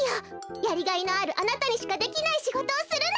やりがいのあるあなたにしかできないしごとをするの！